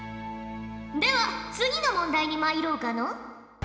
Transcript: では次の問題にまいろうかのう。